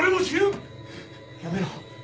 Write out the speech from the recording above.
やめろ。